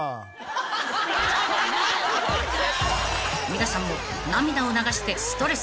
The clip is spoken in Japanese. ［皆さんも］